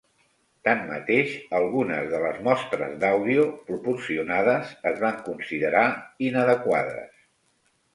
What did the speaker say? Tanmateix, algunes de les mostres d'àudio proporcionades es van considerar inadequades.